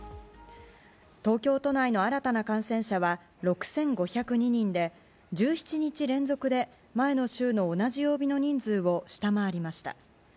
東京都内の新たな感染者は６５０２人で１７日連続で前の週の同じ曜日の人数を下回りました。